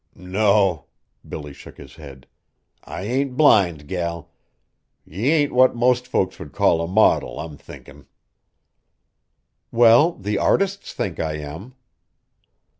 "No," Billy shook his head; "I ain't blind, gal, ye ain't what most folks would call a modil, I'm thinkin'!" "Well, the artists think I am!"